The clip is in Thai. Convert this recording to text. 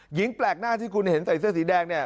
แปลกหน้าที่คุณเห็นใส่เสื้อสีแดงเนี่ย